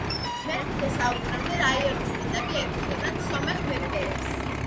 მეხუთე საუკუნემდე რაიონის მიწები ეკუთვნოდათ სომეხ მეფეებს.